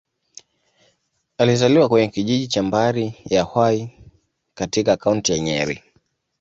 Alizaliwa kwenye kijiji cha Mbari-ya-Hwai, katika Kaunti ya Nyeri.